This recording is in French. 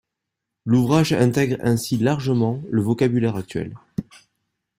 L’ouvrage intègre ainsi largement le vocabulaire actuel.